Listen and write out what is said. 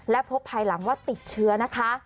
และพบภายหลังว่าติดเชื้อนะคะ